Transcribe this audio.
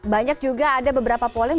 banyak juga ada beberapa poin